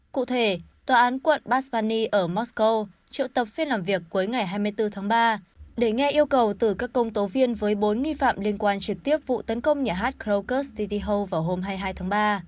cụ thể tòa án quận basvani ở mosco triệu tập phiên làm việc cuối ngày hai mươi bốn tháng ba để nghe yêu cầu từ các công tố viên với bốn nghi phạm liên quan trực tiếp vụ tấn công nhà hát krokus city halu vào hôm hai mươi hai tháng ba